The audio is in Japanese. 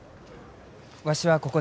わしはここで。